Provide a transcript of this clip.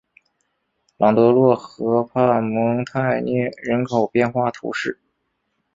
朗德洛河畔蒙泰涅人口变化图示